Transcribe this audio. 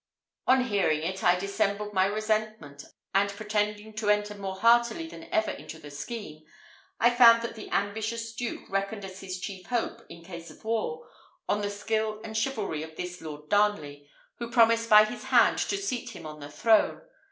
On bearing it, I dissembled my resentment; and pretending to enter more heartily than ever into the scheme, I found that the ambitious duke reckoned as his chief hope, in case of war, on the skill and chivalry of this Lord Darnley, who promised by his hand to seat him on the throne.